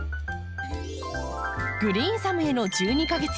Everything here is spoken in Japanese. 「グリーンサムへの１２か月」。